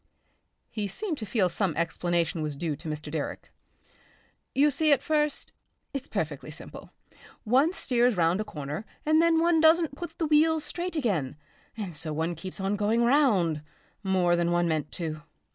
He seemed to feel some explanation was due to Mr. Direck. "You see, at first it's perfectly simple one steers round a corner and then one doesn't put the wheels straight again, and so one keeps on going round more than one meant to.